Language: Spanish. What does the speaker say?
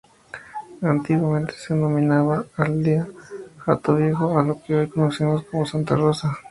Antiguamente se denominaba Aldea Hato Viejo a lo que hoy conocemos como Santa Rosa.